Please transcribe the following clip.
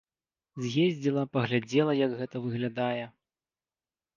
З'ездзіла, паглядзела, як гэта выглядае.